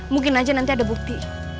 mungkin aja nanti ada bukti